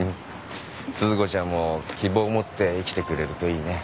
鈴子ちゃんも希望持って生きてくれるといいね。